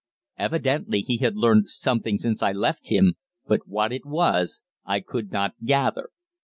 Evidently he had learned something since I left him, but what it was I could not gather.